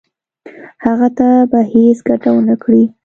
هغه ته به هیڅ ګټه ونه کړي.